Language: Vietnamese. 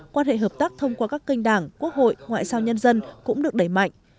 quan hệ hợp tác thông qua các kênh đảng quốc hội ngoại sao nhân dân cũng được đẩy mạnh